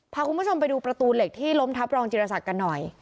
พาคุณผู้ชมไปดูประตูเหล็กที่ล้มทับรองจิรษักกันหน่อย